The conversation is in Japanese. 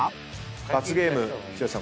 罰ゲーム剛さん